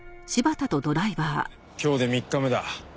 今日で３日目だ。